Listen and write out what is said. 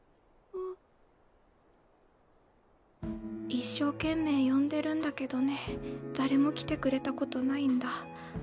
一生懸命呼んでるんだけどね誰も来てくれたことないんだ。